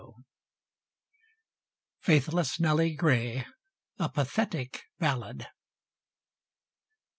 FAITHLESS NELLY GRAY. A PATHETIC BALLAD.